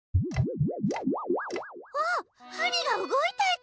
あっはりがうごいたち！